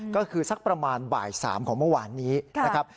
ก็คือสักประมาณบ่าย๓ของเมื่อวานนี้นะครับ